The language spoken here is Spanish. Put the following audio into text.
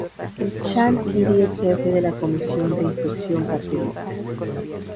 Chan Kiri es Jefe de la Comisión de Inspección Partidista.